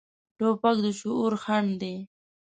توپک د شعور خنډ دی.